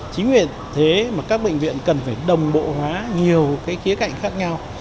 chính vì thế mà các bệnh viện cần phải đồng bộ hóa nhiều cái khía cạnh khác nhau